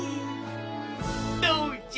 どうじゃ？